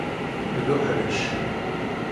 D uḥṛic.